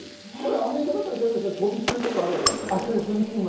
アメリカだったら飛び級とかありますよね。